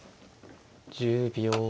１０秒。